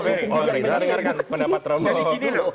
oh riza dengarkan pendapat robo